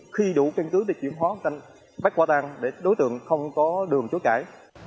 khi đủ chứng cứ để chuyển hóa bách qua tăng để đối tượng không có đường chối cãi